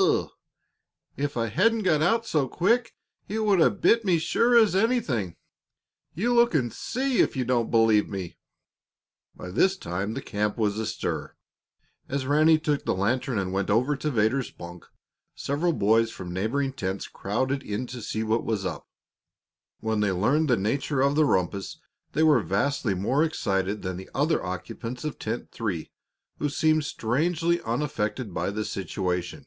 Ugh! If I hadn't got out so quick, it would have bit me sure as anything. You look and see, if you don't believe me." By this time the camp was astir. As Ranny took the lantern and went over to Vedder's bunk, several boys from neighboring tents crowded in to see what was up. When they learned the nature of the rumpus they were vastly more excited than the other occupants of Tent Three, who seemed strangely unaffected by the situation.